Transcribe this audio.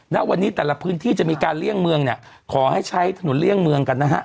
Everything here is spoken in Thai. ณวันนี้แต่ละพื้นที่จะมีการเลี่ยงเมืองเนี่ยขอให้ใช้ถนนเลี่ยงเมืองกันนะฮะ